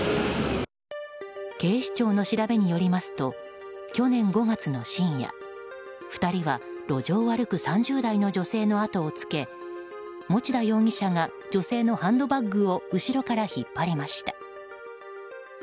警視庁の調べによりますと去年５月の深夜２人は、路上を歩く３０代の女性の後をつけ持田容疑者が女性のハンドバッグを後ろから引っ張りました。